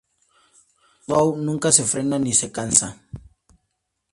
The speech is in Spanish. Shadow nunca se frena ni se cansa.